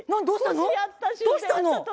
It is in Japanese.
どうしたの？